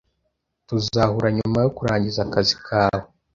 Tuzahura nyuma yo kurangiza akazi kawe